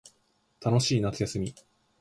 楽しい夏休み